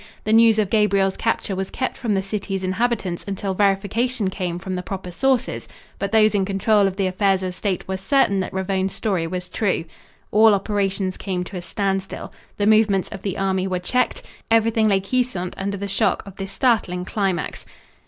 The news of Gabriel's capture was kept from the city's inhabitants until verification came from the proper sources, but those in control of the affairs of state were certain that Ravone's story was true. All operations came to a standstill. The movements of the army were checked. Everything lay quiescent under the shock of this startling climax.